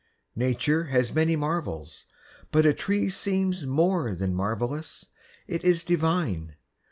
Nature has many marvels; but a tree Seems more than marvellous. It is divine.